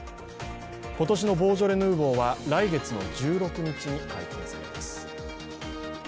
今年のボージョレ・ヌーボーは来月の１６日に解禁されます。